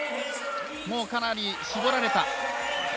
かなり絞られた。